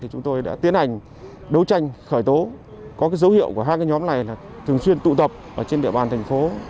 chúng tôi đã tiến hành đấu tranh khởi tố có dấu hiệu của hai nhóm này thường xuyên tụ tập trên địa bàn thành phố